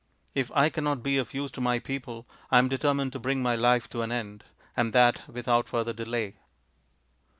If I cannot be of use to my people, I am determined to bring my life to an end, and that without further delay."